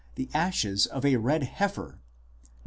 the ashes of a red heifer, Num.